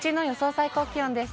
最高気温です。